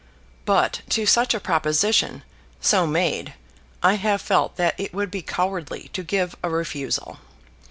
But to such a proposition, so made, I have felt that it would be cowardly to give a refusal.